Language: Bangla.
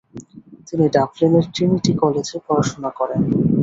তিনি ডাবলিনের ট্রিনিটি কলেজে পড়াশোনা করেন।